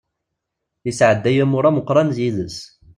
Yesɛedday amur ameqqran d yid-s.